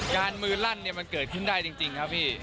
การมือลั่นมันเกิดขึ้นได้จริงครับพี่